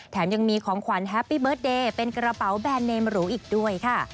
แถมยังมีของขวัญแฮปปี้เบิร์ตเดย์เป็นกระเป๋าแบรนดเนมหรูอีกด้วยค่ะ